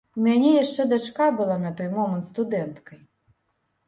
У мяне яшчэ дачка была на той момант студэнткай.